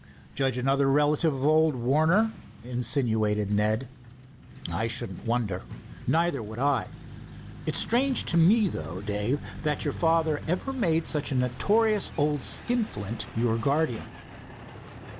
"Judge another relative of old Warner?" insinuated Ned. "I shouldn't wonder." "Neither would I. It's strange to me, though, Dave, that your father ever made such a notorious old skinflint your guardian."